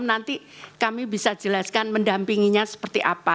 nanti kami bisa jelaskan mendampinginya seperti apa